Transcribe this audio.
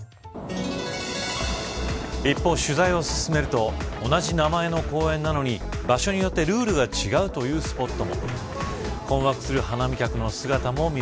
一方、取材を進めると同じ名前の公園なのに場所によってルールが違うというスポットも。